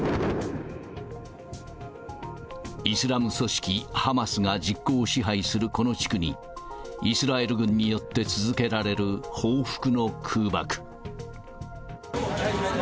イスラム組織ハマスが実効支配するこの地区に、イスラエル軍によって続けられる報復の空爆。